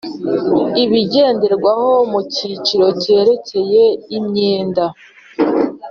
Ibigenderwaho ku cyiciro cyerekeye imyenda